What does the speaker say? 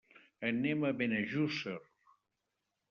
Anem a Benejússer.